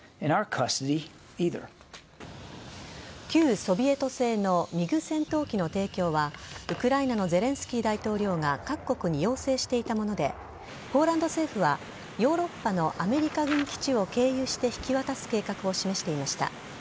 旧ソビエト製のミグ戦闘機の提供はウクライナのゼレンスキー大統領が各国に要請していたものでポーランド政府はヨーロッパのアメリカ軍基地を経由して引き渡す計画を示していました。